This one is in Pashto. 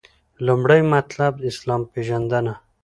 لومړی مطلب : اسلام پیژندنه